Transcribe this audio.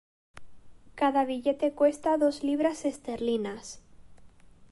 Cada billete cuesta dos libras esterlinas.